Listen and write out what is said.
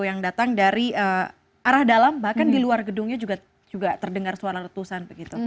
yang datang dari arah dalam bahkan di luar gedungnya juga terdengar suara letusan